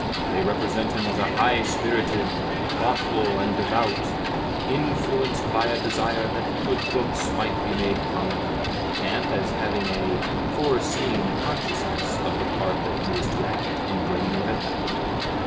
They represent him as high spirited, thoughtful, and devout; influenced by a desire that good books might be made common, and as having "a foreseeing consciousness" of the part he was to act in bringing it about.